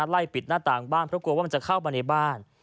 ไล่ปิดหน้าต่างบ้านเพราะกลัวว่ามันจะเข้ามาในบ้าน